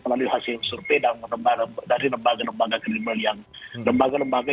melalui hasil survei dari lembaga lembaga